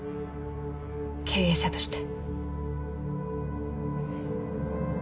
経営者として。